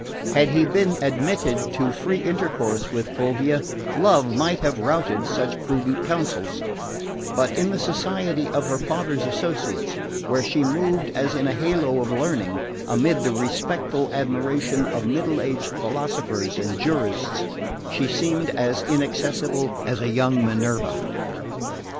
Had he been admitted to free intercourse with Fulvia, love might have routed such prudent counsels; but in the society of her father's associates, where she moved, as in a halo of learning, amid the respectful admiration of middle aged philosophers and jurists, she seemed as inaccessible as a young Minerva.